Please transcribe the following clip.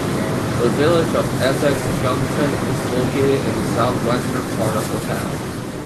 The village of Essex Junction is located in the southwestern part of the town.